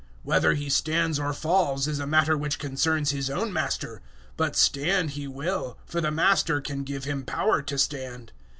Whether he stands or falls is a matter which concerns his own master. But stand he will; for the Master can give him power to stand.